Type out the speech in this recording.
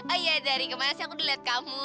oh iya dari kemarin sih aku dilihat kamu